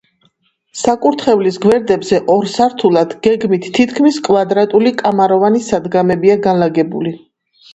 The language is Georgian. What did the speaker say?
საკურთხევლის გვერდებზე, ორ სართულად, გეგმით თითქმის კვადრატული კამაროვანი სადგომებია განლაგებული.